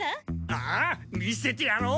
ああ見せてやろう！